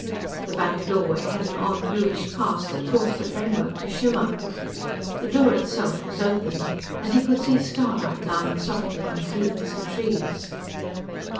The back doorway had an odd bluish cast that caused the framework to shimmer. The door itself was open, and he could see starlight lying softly on fields and trees.